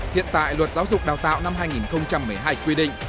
hiện tại luật giáo dục đào tạo năm hai nghìn một mươi hai quy định